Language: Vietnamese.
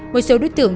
một số đối tượng